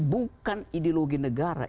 bukan ideologi negara